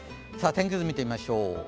天気図を見てみましょう。